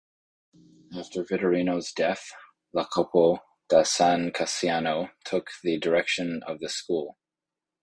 After Vittorino's death, Iacopo da San Cassiano took the direction of the school.